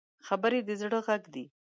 خبرې د زړه غږ دی